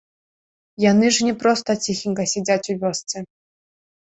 Яны ж не проста ціхенька сядзяць у вёсцы.